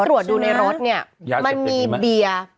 ตรวจดูในรถเนี่ยมันมีเบียร์